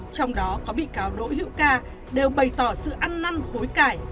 trong đó có bị cáo đỗ hữu ca đều bày tỏ sự ăn năn hối cải